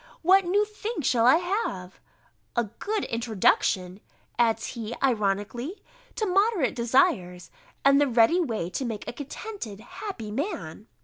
What new thing shall I have?" "A good introduction," adds he, ironically, "to moderate desires, and the ready way to make a contented happy man."